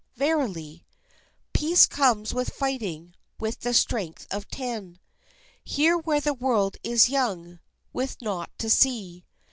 Verily Peace comes with fighting with the strength of ten, Here where the world is young, with naught to see.